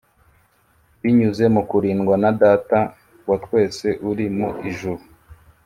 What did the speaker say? Binyuze mu kurindwa na Data wa twese uri mu Ijuru,